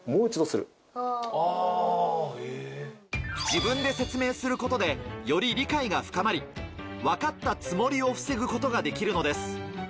自分で説明することで、より理解が深まり、わかったつもりを防ぐことができるのです。